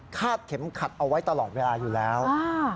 เข็มขัดเอาไว้ตลอดเวลาอยู่แล้วอ่า